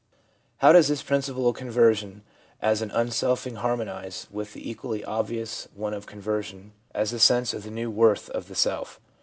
How does this principle of conversion as an unselfing harmonise with the equally obvious one of conversion as the sense of the new worth of the self?